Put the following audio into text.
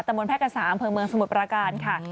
บนแพร่กษาอำเภอเมืองสมุทรประการค่ะ